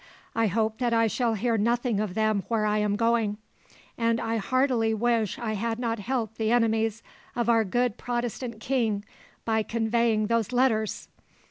I hope that I shall hear nothing of them where I am going; and I heartily wish I had not helped the enemies of our good Protestant king by conveying those letters!